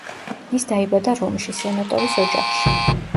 ის დაიბადა რომში, სენატორის ოჯახში.